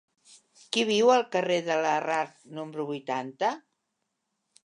Qui viu al carrer de Larrard número vuitanta?